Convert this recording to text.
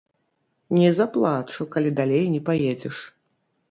Не заплачу, калі далей не паедзеш!